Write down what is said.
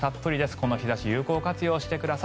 この日差しを有効活用してください。